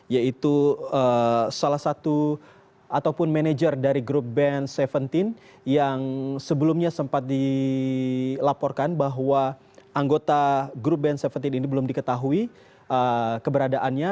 yaitu salah satu ataupun manajer dari grup band tujuh belas yang sebelumnya sempat dilaporkan bahwa anggota grup band tujuh belas ini belum diketahui keberadaannya